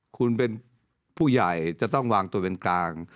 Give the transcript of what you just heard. คุณเป็นผู้ใหญ่จะต้องวางตัวเป็นกลาง